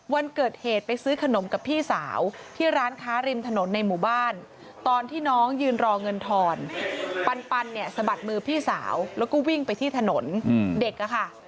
วันเกิดเหตุไปซื้อขนมกับพี่สาวที่ร้านค้าริมถนนในหมู่บ้านตอนที่น้องยืนรอเงินทอนปันเนี่ยสะบัดมือพี่สาวแล้วก็วิ่งไปที่ถนนเด็กอะค่ะ